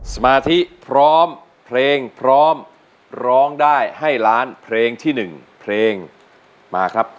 สมาธิพร้อมเพลงพร้อมร้องได้ให้ล้านเพลงที่๑เพลงมาครับ